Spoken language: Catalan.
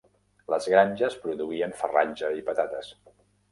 Les granges produïen farratge i patates.